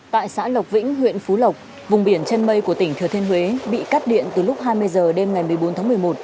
tại xã lộc vĩnh huyện phú lộc vùng biển chân mây của tỉnh thừa thiên huế bị cắt điện từ lúc hai mươi h đêm ngày một mươi bốn tháng một mươi một